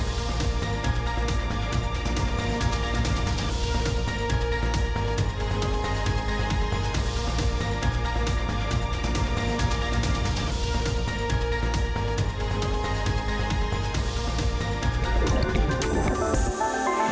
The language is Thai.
โปรดติดตามตอนต่อไป